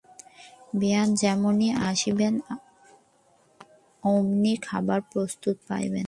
বেয়াই যেমনি আসিবেন অমনি খাবার প্রস্তুত পাইবেন।